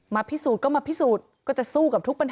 มีเรื่องอะไรมาคุยกันรับได้ทุกอย่าง